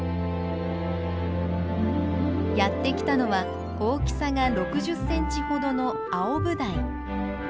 やって来たのは大きさが６０センチほどのアオブダイ。